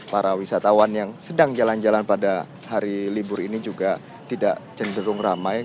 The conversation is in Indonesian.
para wisatawan yang sedang jalan jalan pada hari libur ini juga tidak cenderung ramai